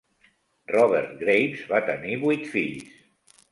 Robert Graves va tenir vuit fills.